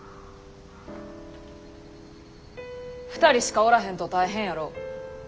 ２人しかおらへんと大変やろ。